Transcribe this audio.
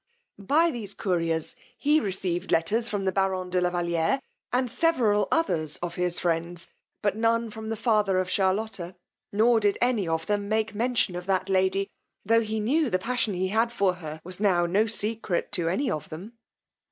By these couriers he received letters from the baron de la Valiere, and several others of his friends, but none from the father of Charlotta; nor did any of them make any mention of that lady, tho' he knew the passion he had for her was now no secret to any of them.